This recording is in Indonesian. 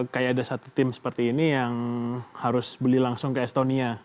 kayak ada satu tim seperti ini yang harus beli langsung ke estonia